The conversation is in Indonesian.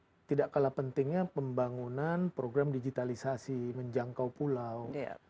pertama adalah pentingnya pembangunan program digitalisasi menjangkau pulau